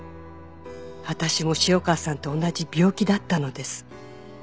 「私も潮川さんと同じ病気だったのです」